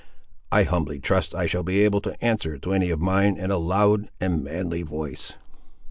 I humbly trust I shall be able to answer to any of mine, in a loud and manly voice."